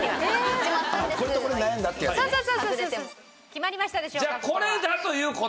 決まりましたでしょうか。